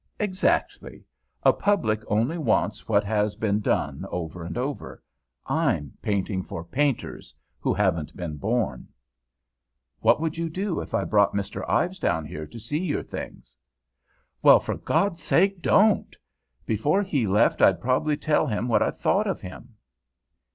"Exactly. A public only wants what has been done over and over. I'm painting for painters, who haven't been born." "What would you do if I brought Mr. Ives down here to see your things?" "Well, for God's sake, don't! Before he left I'd probably tell him what I thought of him."